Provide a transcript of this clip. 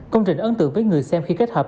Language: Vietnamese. công trình ấn tượng với người xem khi kết hợp